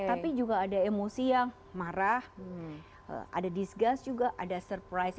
tapi juga ada emosi yang marah ada disgust juga ada surprise